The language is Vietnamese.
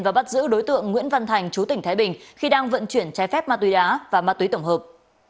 và bắt giữ đối tượng nguyễn văn thành chú tỉnh thái bình khi đang vận chuyển trái phép ma túy đá và ma túy tổng hợp